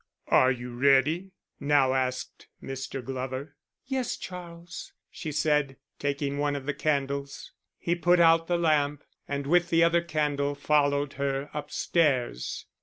"Are you ready?" now asked Mr. Glover. "Yes, Charles," she said, taking one of the candles. He put out the lamp, and with the other candle followed her upstairs.